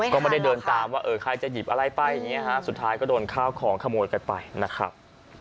ก็ไม่ได้เดินตามว่าเออใครจะหยิบอะไรไปอย่างนี้ฮะสุดท้ายก็โดนข้าวของขโมยกันไปนะครับ